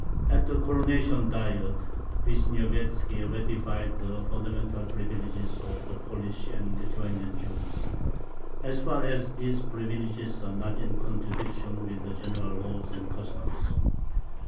At the Coronation Diet Vishniovetzki ratified the fundamental privileges of the Polish and Lithuanian Jews, "as far as these privileges are not in contradiction with the general laws and customs."